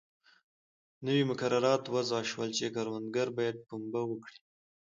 نوي مقررات وضع شول چې کروندګر باید پنبه وکري.